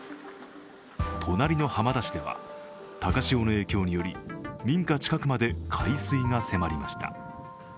隣の浜田市では高潮の影響により民家近くまで海水が迫りました。